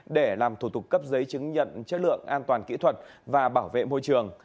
để làm thủ tục cấp giấy chứng nhận chất lượng an toàn kỹ thuật và bảo vệ môi trường